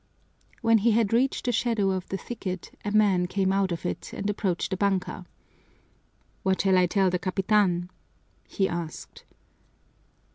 When he had reached the shadow of the thicket a man came out of it and approached the banka. "What shall I tell the capitan?" he asked.